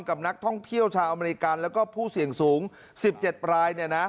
กับนักท่องเที่ยวชาวอเมริกันแล้วก็ผู้เสี่ยงสูง๑๗ราย